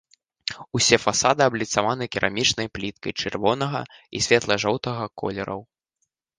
Усе фасады абліцаваны керамічнай пліткай чырвонага і светла-жоўтага колераў.